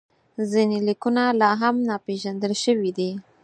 ځینې لیکونه لا هم ناپېژندل شوي دي.